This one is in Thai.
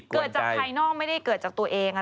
เกิดจากภายนอกไม่ได้เกิดจากตัวเอง